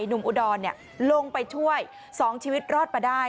หนุ่มอุดรลงไปช่วยสองชีวิตรอดไปได้